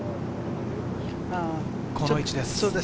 この位置です。